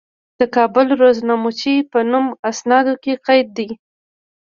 د کابل روزنامچې په نوم اسنادو کې قید دي.